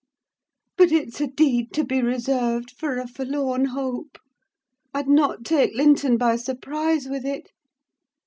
But it's a deed to be reserved for a forlorn hope; I'd not take Linton by surprise with it.